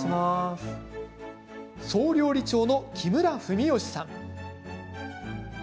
総料理長の木村史能さん。